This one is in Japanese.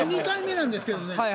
２回目なんですけどね